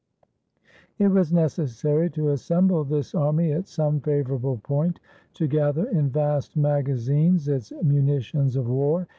It was necessary to assemble this army at some favorable point, to gather in vast magazines its munitions of w^ar.